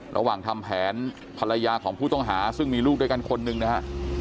ระหว่างทำแผนภรรยาของผู้ต้องหาซึ่งมีลูกด้วยกันคนหนึ่งนะฮะ